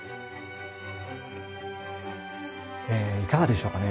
いかがでしょうかね？